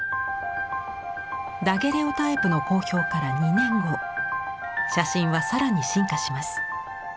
ダゲレオタイプの公表から２年後写真は更に進化します。